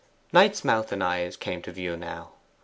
Knight's mouth and eyes came to view now.